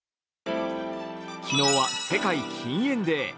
昨日は世界禁煙デー。